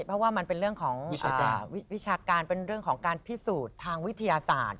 เพราะว่ามันเป็นเรื่องของวิชาการเป็นเรื่องของการพิสูจน์ทางวิทยาศาสตร์